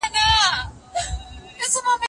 آيا تر عدې وروسته ميرمن بله نکاح کولای سي؟